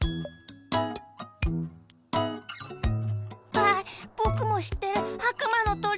ああぼくもしってるあくまのとり。